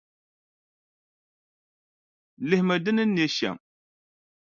Lihimi di ni ne shɛm.